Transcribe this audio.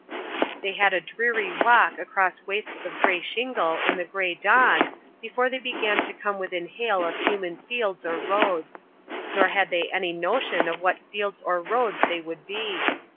They had a dreary walk across wastes of grey shingle in the grey dawn before they began to come within hail of human fields or roads; nor had they any notion of what fields or roads they would be.